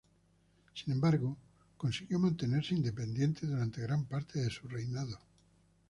Sin embargo, consiguió mantenerse independiente durante gran parte de su reinado.